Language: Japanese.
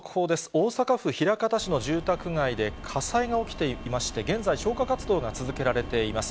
大阪府枚方市の住宅街で火災が起きていまして、現在、消火活動が続けられています。